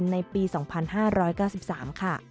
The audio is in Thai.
ในปี๒๕๙๓ค่ะ